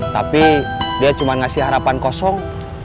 tapi dia cuma ngasih harapan kosong